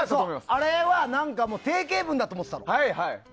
あれは定型文だと思ってたの。